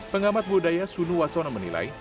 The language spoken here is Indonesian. pengamat budaya sunu wasono menilai